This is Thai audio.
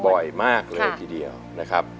บ่อยมากเลยทีเดียวนะครับ